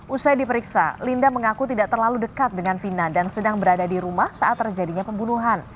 usai diperiksa linda mengaku tidak terlalu dekat dengan vina dan sedang berada di rumah saat terjadinya pembunuhan